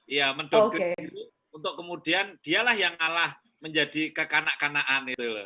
iya mendowngrade diri untuk kemudian dialah yang alah menjadi kekanak kanaan itu